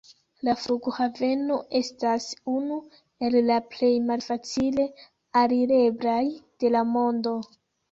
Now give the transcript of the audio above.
La flughaveno estas unu el la plej malfacile alireblaj de la mondo.